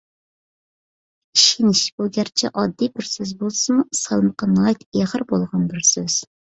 «ئىشىنىش»، بۇ گەرچە ئاددىي بىر سۆز بولسىمۇ، سالمىقى ناھايىتى ئېغىر بولغان بىر سۆز.